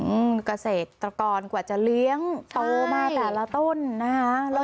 อืมเกษตรกรกว่าจะเลี้ยงโตมาแต่ละต้นนะคะ